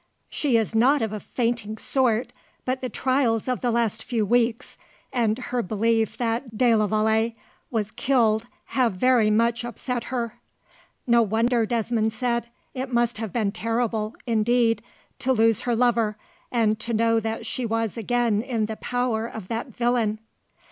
She is not of a fainting sort, but the trials of the last few weeks, and her belief that de la Vallee was killed, have very much upset her." "No wonder," Desmond said. "It must have been terrible, indeed, to lose her lover, and to know that she was again in the power of that villain.